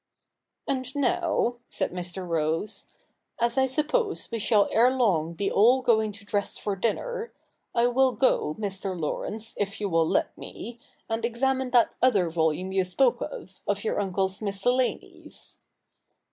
'And now,' said Mr. Rose, 'as I suppose we shall ere long be all going to dress for dinner, I will go, Mr. Laurence, if you will let me, and examine that other volume you spoke of, of your uncle's Miscellanies.'